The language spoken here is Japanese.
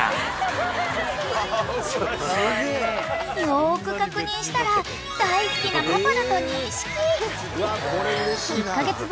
［よく確認したら大好きなパパだと認識］